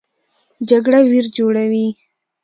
جګړه ویر جوړوي